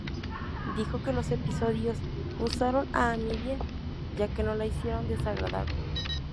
Dijo que los episodios usaron a Amy bien, ya que no la hicieron desagradable.